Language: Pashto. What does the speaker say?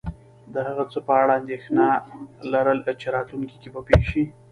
د هغه څه په اړه انېښنه لرل چی راتلونکي کې به پیښ شې